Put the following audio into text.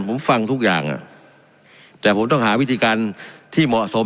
ผมฟังทุกอย่างอ่ะแต่ผมต้องหาวิธีการที่เหมาะสม